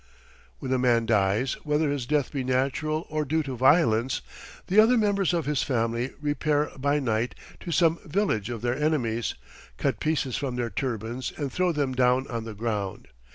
"When a man dies, whether his death be natural or due to violence, the other members of his family repair by night to some village of their enemies, cut pieces from their turbans, and throw them down on the ground.